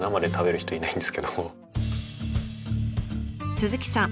鈴木さん